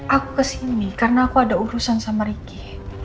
aku kesini karena aku ada urusan sama ricky